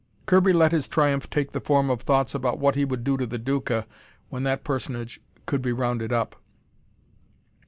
Kirby let his triumph take the form of thoughts about what he would do to the Duca when that personage could be rounded up.